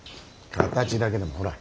形だけでもほら。